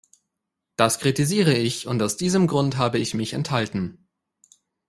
Das kritisiere ich und aus diesem Grund habe ich mich enthalten.